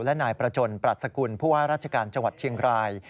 และนายประจนปรัชกุลผู้ว่าราชการจังหวัดเชียงราย